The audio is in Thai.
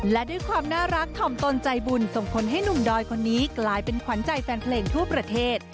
และด้วยความน่ารักถ่อมตนใจบุญส่งผลให้หนุ่มดอยคนนี้กลายเป็นขวัญใจแฟนเพลงทั่วประเทศ